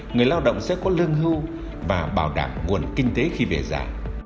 người lao động sẽ có lương hưu và bảo đảm nguồn kinh tế khi về già